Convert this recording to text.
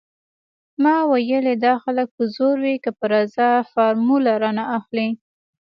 ما ويلې دا خلک په زور وي که په رضا فارموله رانه اخلي.